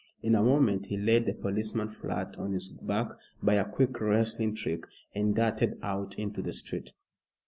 In a moment he laid the policeman flat on his back by a quick wrestling trick, and darted out into the street.